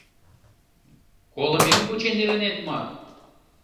— Колымем вучен илынет мо?